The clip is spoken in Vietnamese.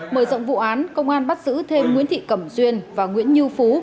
mời dọn vụ án công an bắt giữ thêm nguyễn thị cẩm duyên và nguyễn như phú